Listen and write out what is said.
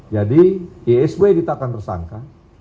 jadi isw ditetapkan tersangka